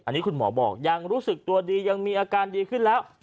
อันนี้คุณหมอบอกยังรู้สึกตัวดียังมีอาการดีขึ้นแล้ว